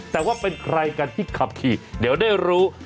แต่ว่าเป็นใครกันที่ขับขี่เดี๋ยวได้รู้